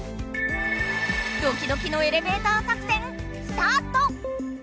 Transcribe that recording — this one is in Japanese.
ドキドキのエレベーター作戦スタート！